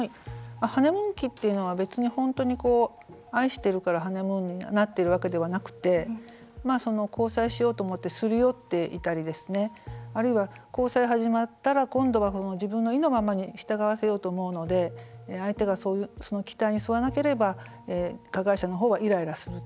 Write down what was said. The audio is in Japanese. ハネムーン期というのは別に本当に愛してるからハネムーンになっているわけではなくて交際しようと思ってすり寄っていたりですねあるいは、交際始まったら今度は自分の意のままに従わせようと思うので相手がその期待に沿わなければ加害者の方はイライラすると。